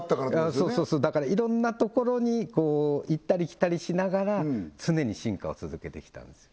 そうそうそうだからいろんなところにこう行ったり来たりしながら常に進化を続けてきたんですよ